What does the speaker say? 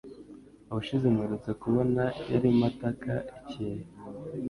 Ubushize mperutse kubona , yarimo ataka ikintu.